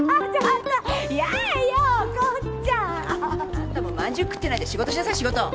あんたもまんじゅう食ってないで仕事しなさい仕事！